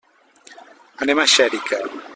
Anem a Xèrica.